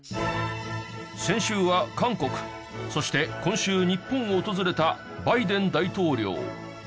先週は韓国そして今週日本を訪れたバイデン大統領。